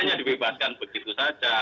hanya dibebaskan begitu saja